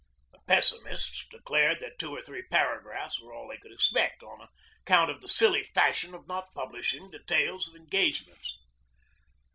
The pessimists declared that two or three paragraphs were all they could expect, on account of the silly fashion of not publishing details of engagements.